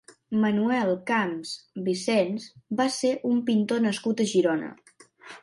Manuel Camps Vicens va ser un pintor nascut a Girona.